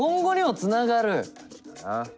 感じかな。